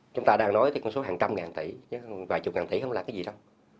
chúng ta đang nói cái con số hàng trăm ngàn tỷ chứ vài chục ngàn tỷ không là cái gì đâu